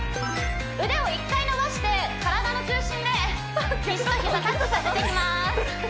腕を１回伸ばして体の中心で肘と膝タッチさせていきます